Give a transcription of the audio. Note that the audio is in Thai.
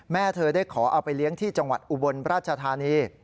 เธอได้ขอเอาไปเลี้ยงที่จังหวัดอุบลราชธานี